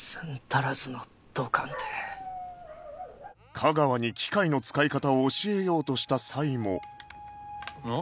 架川に機械の使い方を教えようとした際もあっ？